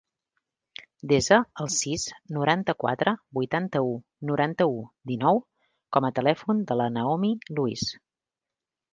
Desa el sis, noranta-quatre, vuitanta-u, noranta-u, dinou com a telèfon de la Naomi Luis.